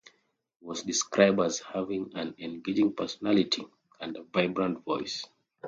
He was described as having "an engaging personality and a vibrant voice".